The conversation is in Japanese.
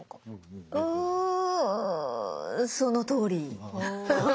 んそのとおり！